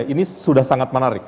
ini sudah sangat menarik